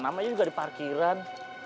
namanya juga di parkiran